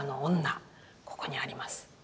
ここにあります。